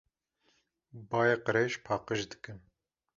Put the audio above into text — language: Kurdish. Bayê qirêj paqij dikin.